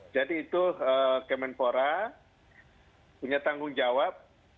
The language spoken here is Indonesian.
jadi itu kemenpora punya tanggung jawab